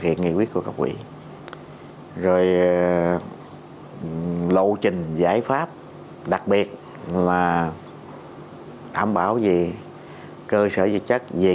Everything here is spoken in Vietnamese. hiện nghề quyết của các quỹ rồi lộ trình giải pháp đặc biệt là em bảo gì cơ sở dịch chất về